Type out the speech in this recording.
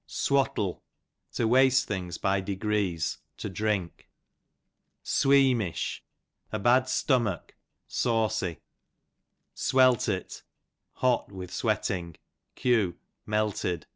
Swattle, to waste things by degrees, to drink. Sweamish, a bad stomach, saucy. Sweltit, hot with sweating, q. melted.